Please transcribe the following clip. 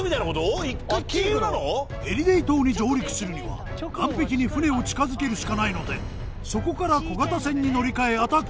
エリデイ島に上陸するには岸壁に船を近づけるしかないのでそこから小型船に乗り換えアタックする。